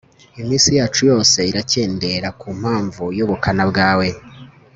iminsi yacu yose irakendera ku mpamvu y'ubukana bwawe